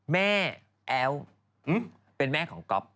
แม่แอ๊วเป็นแม่ของก๊อบ